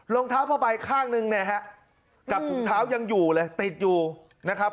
รองเท้าผ้าใบข้างหนึ่งเนี่ยฮะกับถุงเท้ายังอยู่เลยติดอยู่นะครับ